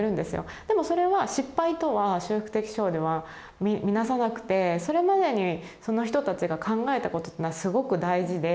でもそれは失敗とは修復的司法では見なさなくてそれまでにその人たちが考えたことっていうのはすごく大事で。